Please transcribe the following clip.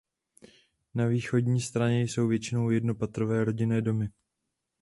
Na východní straně jsou většinou jednopatrové rodinné domy.